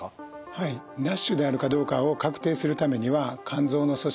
はいＮＡＳＨであるかどうかを確定するためには肝臓の組織